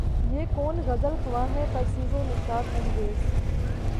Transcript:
یہ کون غزل خواں ہے پرسوز و نشاط انگیز